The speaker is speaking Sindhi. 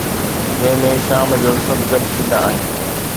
جنهن ۾ شام جو سڀ گڏ ٿيندا آهن